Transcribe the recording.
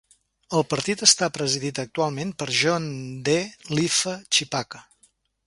El partit està presidit actualment per John D. Lifa Chipaka.